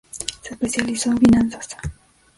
Se especializó en finanzas.